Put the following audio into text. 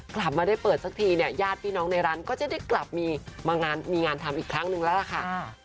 กลับมาได้เปิดสักทีเนี่ยญาติพี่น้องในร้านก็จะได้กลับมางานมีงานทำอีกครั้งนึงแล้วล่ะค่ะ